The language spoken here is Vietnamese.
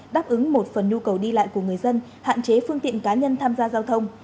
đáp ứng một phần nhu cầu đi lại của người dân hạn chế phương tiện cá nhân tham gia giao thông